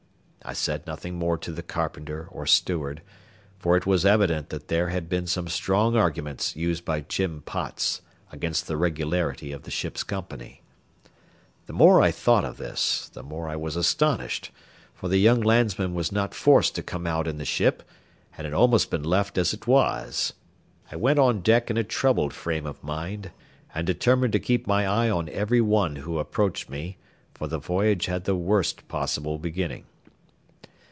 I said nothing more to the carpenter or steward, for it was evident that there had been some strong arguments used by Jim Potts against the regularity of the ship's company. The more I thought of this, the more I was astonished, for the young landsman was not forced to come out in the ship, and had almost been left, as it was. I went on deck in a troubled frame of mind, and determined to keep my eye on every one who approached me, for the voyage had the worst possible beginning.